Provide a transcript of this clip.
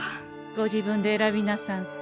ご自分で選びなさんせ。